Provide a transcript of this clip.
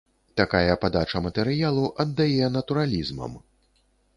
Такая падача матэрыялу аддае натуралізмам.